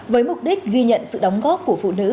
với mục đích ghi nhận sự đóng góp của phụ nữ